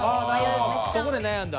そこで悩んだ？